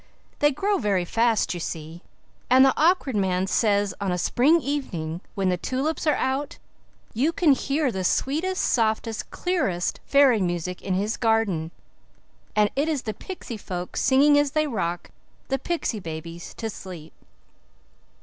They grow very fast, you see, and the Awkward Man says on a spring evening, when the tulips are out, you can hear the sweetest, softest, clearest, fairy music in his garden, and it is the pixy folk singing as they rock the pixy babies to sleep."